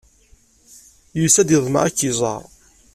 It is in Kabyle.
Yusa-d, yeḍmeɛ ad k-iẓer.